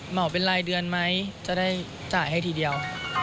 บอกเป็นรายเดือนไหมจะได้จ่ายให้ทีเดียว